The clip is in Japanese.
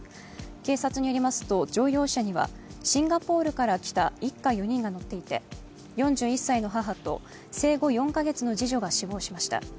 警察によりますと、乗用車にはシンガポールから来た一家４人が乗っていて４１歳の母と生後４か月の次女が死亡しました。